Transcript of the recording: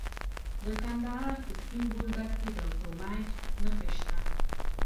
د کندهار په سپین بولدک کې د کرومایټ نښې شته.